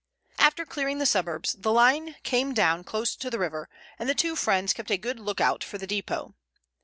After clearing the suburbs the line came down close to the river, and the two friends kept a good look out for the depot.